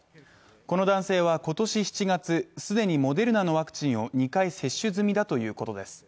この男性は今年７月、既にモデルナのワクチンを２回接種済みだということです。